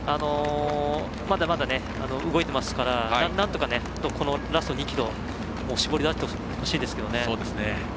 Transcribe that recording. まだまだ動いていますからなんとか、このラスト２ｋｍ絞り出してほしいですけどね。